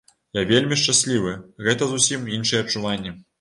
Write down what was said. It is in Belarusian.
Я вельмі шчаслівы, гэта зусім іншыя адчуванні.